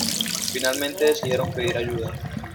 Finalmente decidieron pedir ayuda.